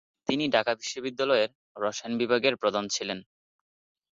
তিনি ঢাকা বিশ্ববিদ্যালয়ের রসায়ন বিভাগের প্রধান ছিলেন।